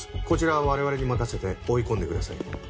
こちらは我々に任せて追い込んでください。